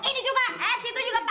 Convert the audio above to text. situ juga tantes kalau bau lah kita